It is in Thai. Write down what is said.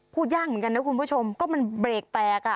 พูดยากเหมือนกันนะคุณผู้ชมก็มันเบรกแตกอ่ะ